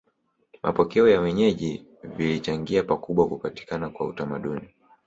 Mapokeo ya wenyeji vilichangia pakubwa kupatikana kwa utamaduni